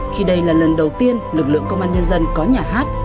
khi đây là lần đầu tiên lực lượng công an nhân dân có nhà hát